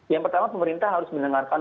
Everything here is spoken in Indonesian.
yang pertama pemerintah harus mendengarkan